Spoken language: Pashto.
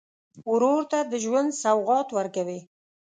ورور ته د ژوند سوغات ورکوې.